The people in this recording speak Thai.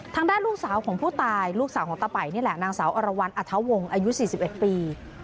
ทางด้านลูกสาวของผู้ตายลูกสาวของตะไปนี่แหละนางสาวอรวรรณอัธวงศ์อายุ๔๑ปี